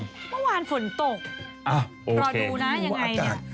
เมื่อวานฝนตกรอดูนะยังไงเนี่ยไม่รู้ว่าอากาศ